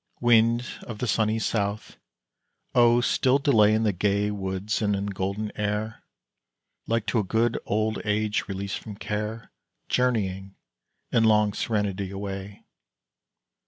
Wind of the sunny south! oh, still delay In the gay woods and in the golden air, Like to a good old age released from care, Journeying, in long serenity, away.